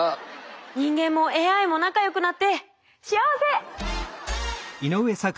人間もＡＩも仲良くなって幸せ！